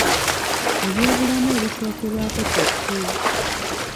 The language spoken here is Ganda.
Eby'obulamu ebisookerwako kye ki?